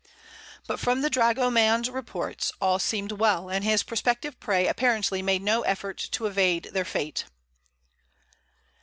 But, from the dragoman's reports, all seemed well, and his prospective prey apparently made no effort to evade their fate.